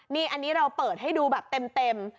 นี่อันนี้เราเปิดให้ดูแบบเต็ม